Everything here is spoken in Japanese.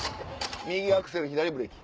右アクセル左ブレーキ？